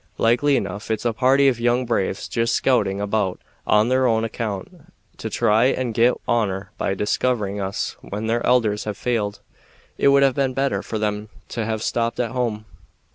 Likely enough it's a party of young braves jest scouting about on their own account, to try and get honor by discovering us when their elders have failed. It would have been better for them to have stopped at home."